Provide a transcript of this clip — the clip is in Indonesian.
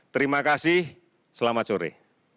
terima kasih selamat sore